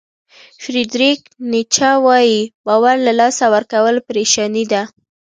فریدریک نیچه وایي باور له لاسه ورکول پریشاني ده.